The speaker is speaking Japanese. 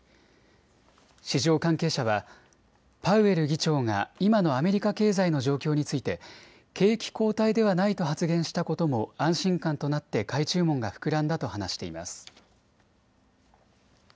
市場関係者はパウエル議長が今のアメリカ経済の状況について景気後退ではないと発言したことも安心感となって買い注文が膨らんだと話しています。